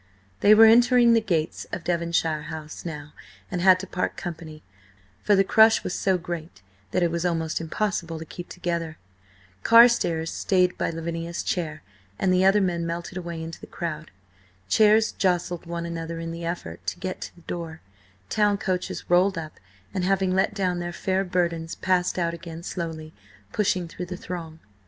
They were entering the gates of Devonshire House now, and had to part company, for the crush was so great that it was almost impossible to keep together. Carstares stayed by Lavinia's chair, and the other men melted away into the crowd. Chairs jostled one another in the effort to get to the door, town coaches rolled up, and having let down their fair burdens, passed out again slowly, pushing through the throng.